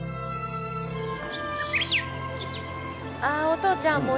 あお父ちゃん